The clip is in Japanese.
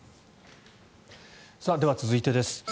では、続いてです。